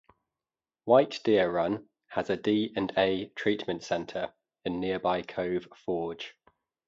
White Deer Run has a D and A treatment center in nearby Cove Forge.